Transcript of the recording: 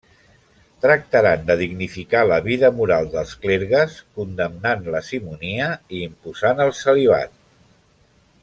Tractaran de dignificar la vida moral dels clergues, condemnant la simonia i imposant el celibat.